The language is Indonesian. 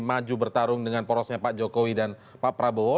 maju bertarung dengan porosnya pak jokowi dan pak prabowo